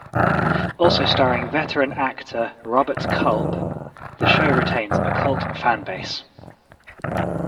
Also starring veteran actor Robert Culp, the show retains a cult fanbase.